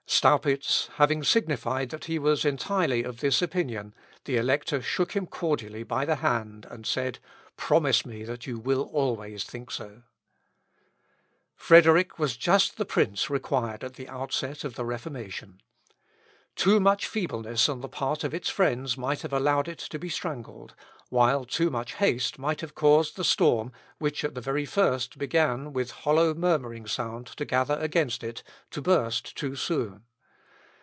'" Staupitz having signified that he was entirely of this opinion, the Elector shook him cordially by the hand, and said, "Promise me that you will always think so."* Frederick was just the prince required at the outset of the Reformation. Too much feebleness on the part of its friends might have allowed it to be strangled, while too much haste might have caused the storm, which at the very first began with hollow murmuring sound to gather against it, to burst too soon.